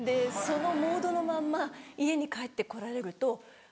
そのモードのまんま家に帰って来られると